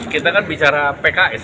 kita kan bicara pks